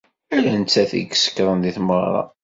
Ala nettat i isekṛen deg tmeɣṛa.